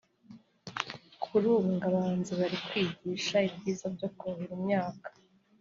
Kuri ubu ngo abahinzi bari kwigishwa ibyiza byo kuhira imyaka